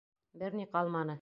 Бер ни ҡалманы.